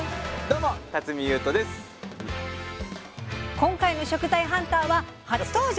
今回の食材ハンターは初登場！